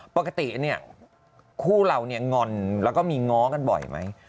ปกติเนี่ยคู่เราเนี่ยงอนแล้วก็มีง้อกันบ่อยไหม